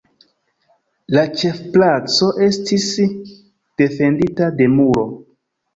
La ĉefplaco estis defendita de muro.